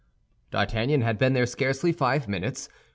D'Artagnan had been there scarcely five minutes when M.